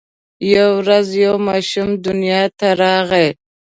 یوه ورځ یو ماشوم دنیا ته راغی.